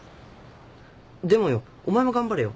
でもよお前も頑張れよ。